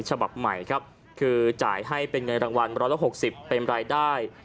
ฉบับใหม่ครับคือจ่ายให้เป็นเงินรางวัล๑๖๐เป็นรายได้